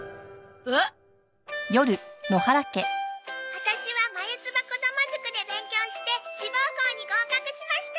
ワタシはマユツバこども塾で勉強して志望校に合格しました！